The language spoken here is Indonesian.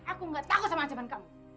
aku gak tahu sama anjaman kamu